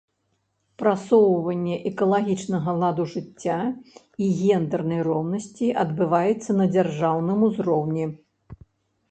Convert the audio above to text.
Прасоўванне экалагічнага ладу жыцця і гендэрнай роўнасці адбываецца на дзяржаўным узроўні.